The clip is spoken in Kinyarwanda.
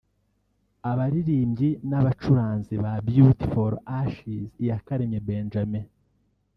Abaririmbyi n’abacuranzi ba Beauty For Ashes Iyakaremye Benjamin